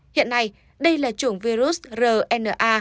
hiện nay đây là chủng virus rna